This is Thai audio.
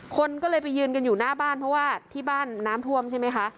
คนก็เลยไปยืนกันอยู่หน้าบ้านเพราะว่าที่บ้านน้ำท่วมใช่ไหมคะ